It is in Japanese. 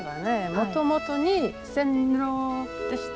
もともとに線路でした。